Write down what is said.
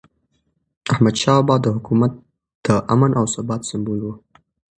احمدشاه بابا د حکومت د امن او ثبات سمبول و.